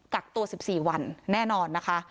กักตัว๑๔วันแน่นอนนะคะ